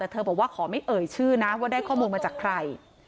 แต่เธอบอกว่าขอไม่เอ่ยชื่อนะว่าได้ข้อมูลมาจากใคร